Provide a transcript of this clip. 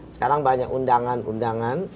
sekarang banyak undangan undangan